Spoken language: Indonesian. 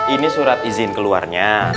ini surat izin keluarnya